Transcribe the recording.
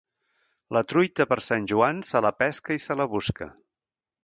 La truita per Sant Joan se la pesca i se la busca.